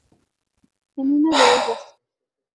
En una de ellas.